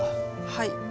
はい。